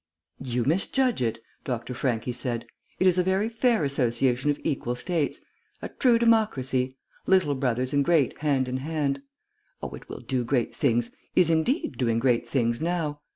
"You misjudge it," Dr. Franchi said. "It is a very fair association of equal states. A true democracy: little brothers and great, hand in hand. Oh, it will do great things; is, indeed, doing great things now.